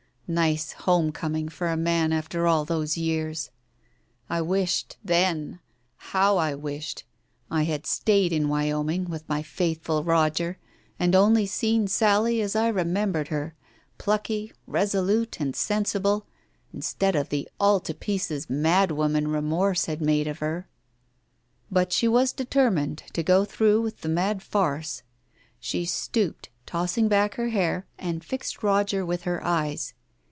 Nice home coming for a man after all those years f ... I wished, then — how I wished !— I had stayed in Wyoming with my faithful Roger, and only seen Sally as I remembered her, plucky, resolute and sensible, instead of the all to pieces madwoman remorse had made of her. But she was determined to go through with the mad farce. She stooped, tossed back her hair and fixed Roger with her eyes.